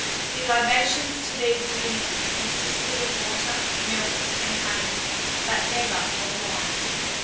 ] The libations to these divinities consisted of water, milk, and honey, but never of wine.